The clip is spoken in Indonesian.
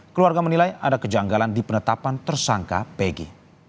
keluarga menilai ada kejanggalan di penetapan tersangka pg